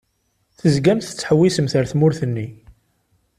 Tezgamt tettḥewwisemt ar tmurt-nni.